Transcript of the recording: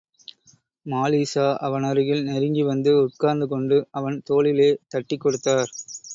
மாலிக்ஷா அவனருகில் நெருங்கி வந்து உட்கார்ந்து கொண்டு அவன் தோளிலே தட்டிக் கொடுத்தார்.